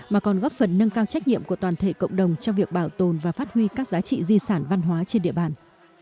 mà còn góp phần nâng cao trách nhiệm của toàn thể cộng đồng trong việc bảo tồn và phát huy các giá trị di sản văn hóa trên địa bàn